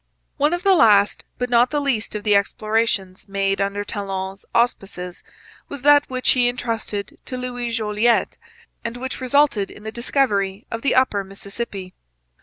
One of the last but not the least of the explorations made under Talon's auspices was that which he entrusted to Louis Jolliet, and which resulted in the discovery of the upper Mississippi.